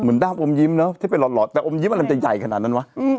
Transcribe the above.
ด้ามอมยิ้มเนอะที่เป็นหลอดแต่อมยิ้มอะไรมันจะใหญ่ขนาดนั้นวะ